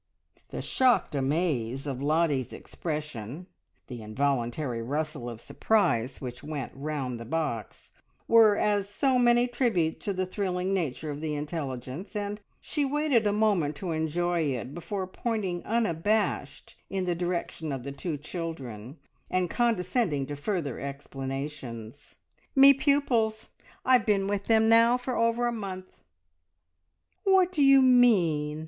The shocked amaze of Lottie's expression, the involuntary rustle of surprise which went round the box, were as so many tributes to the thrilling nature of the intelligence, and she waited a moment to enjoy it before pointing unabashed in the direction of the two children, and condescending to further explanations. "Me pupils! I've been with them now for over a month." "What do you mean?